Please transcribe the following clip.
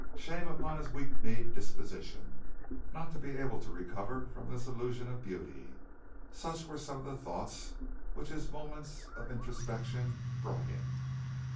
Shame upon his weak kneed disposition, not to be able to recover from this illusion of beauty. Such were some of the thoughts which his moments of introspection brought him.